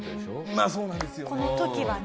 まあそうなんですよね。